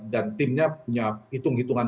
dan timnya punya hitung hitungan